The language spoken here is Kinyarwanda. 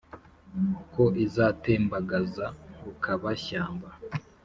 ko izatembagaza rukaba-shyamba,